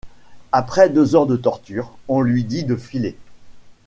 Après deux heures de tortures on lui dit de filer.